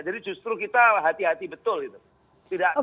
jadi justru kita hati hati betul gitu